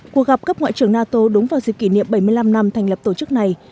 cuộc gặp cấp ngoại trưởng nato đúng vào dịp kỷ niệm bảy mươi năm năm thành lập tổ chức này